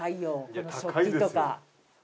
この食器とか。